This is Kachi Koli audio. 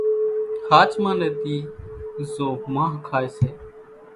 ۿاچمان ني ۮي زو مانۿ کائي سي